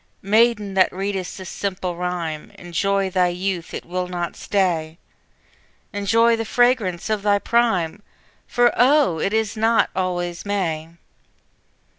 Maiden, that read'st this simple rhyme, Enjoy thy youth, it will not stay; Enjoy the fragrance of thy prime, For oh, it is not always May!